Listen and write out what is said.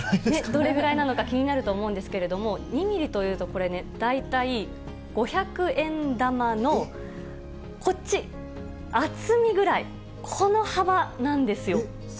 どれぐらいなのか、気になると思うんですけれども、２ミリというと、これね、大体五百円玉のこっち、厚みぐらい、この幅なんですよ。えっ？